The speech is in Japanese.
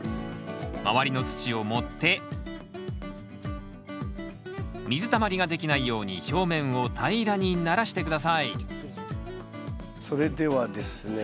周りの土を盛って水たまりができないように表面を平らにならして下さいそれではですね